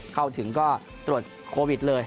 เข้าถึงก็ตรวจโควิดเลย